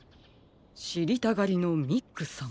しりたがりのミックさん。